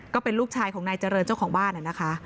ก็เป็นลูกชายของนายเจริญเจ้าของบ้านนะคะ